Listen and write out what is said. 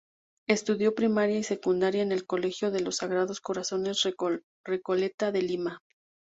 Estudió primaria y secundaria en el Colegio de los Sagrados Corazones Recoleta de Lima.